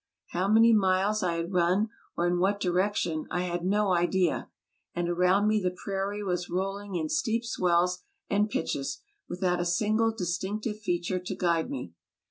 How many miles I had run, or in what direction, I had no idea; and around me the prairie was rolling in steep swells and pitches, without a single distinctive feature to guide me.